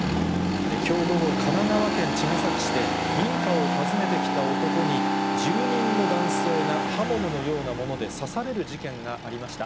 きょう午後、神奈川県茅ヶ崎市で、民家を訪ねてきた男に、住人の男性が刃物のようなもので刺される事件がありました。